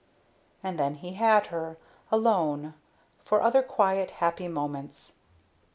And then he had her, alone, for other quiet, happy moments.